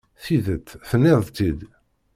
Tidet, tenniḍ-tt-id.